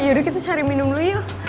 yaudah kita cari minum dulu yuk